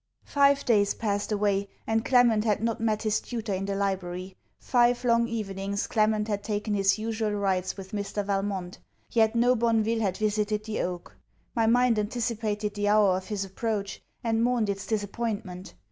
Five days passed away, and Clement had not met his tutor in the library. Five long evenings, Clement had taken his usual rides with Mr. Valmont, yet no Bonneville had visited the oak. My mind anticipated the hour of his approach, and mourned its disappointment.